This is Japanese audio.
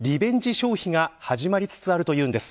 消費が始まりつつあるというんです。